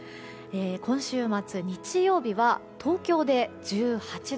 今週末、日曜日は東京で１８度。